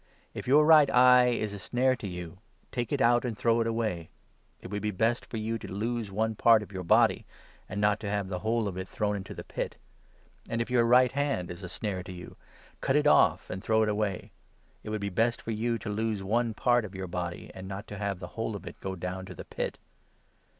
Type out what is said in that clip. If your right eye is a snare to you, take it out and throw it away. It would be best for you to lose one part of your body, and not to have the whole of it thrown into the Pit. And, if your right hand is a snare to you, cut it off and throw it away. It would be best for you to lose one part of your body, and not to have the whole of it go down to the Pit.